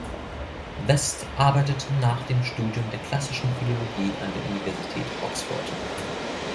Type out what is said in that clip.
West arbeitete nach dem Studium der Klassischen Philologie an der Universität Oxford.